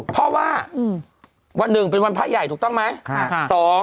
เพราะว่าวันหนึ่งเป็นวันพระใหญ่ถูกต้องไหม